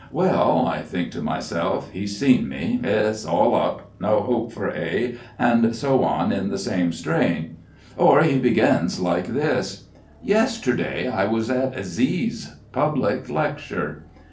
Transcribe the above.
'Well,' I think to myself, 'he's seen me. It's all up no hope for And so on in the same strain. Or he begins like this, "Yesterday I was at Z's public lecture.